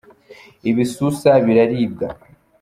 ibisusa biraribwa